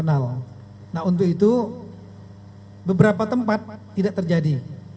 nah untuk itu beberapa tempat tidak terjadi